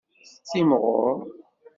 Timɣur.